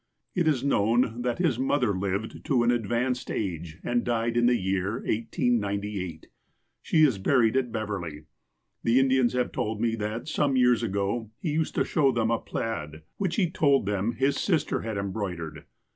It is kuown that his mother lived to an advanced age, and died in the year 1898. She is buried at Beverley. The Indians have told me that, some years ago, he used to show them a plaid which he told them his sister had embroidered.